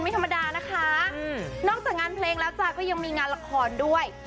ไม่ธรรมดานะคะนอกจากงานเพลงแล้วจ้ะก็ยังมีงานละครด้วย